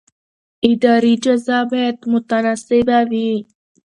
اداري جزا باید متناسبه وي.